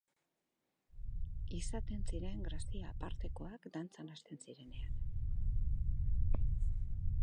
Izaten ziren grazia apartekoak dantzan hasten zirenean.